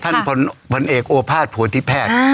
ท่านผลเอกโอภาสโพธิแทรก